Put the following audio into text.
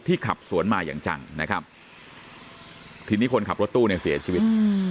ที่ขับสวนมาอย่างจังทีนี้คนขับรถตู้ในเสียชีวิต